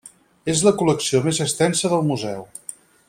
És la col·lecció més extensa del Museu.